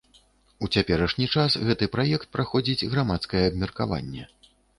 У цяперашні час гэты праект праходзіць грамадскае абмеркаванне.